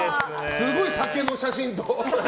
すごい、酒の写真と。